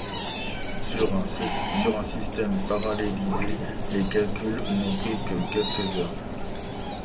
Sur un système parallélisé, les calculs n'ont pris que quelques heures.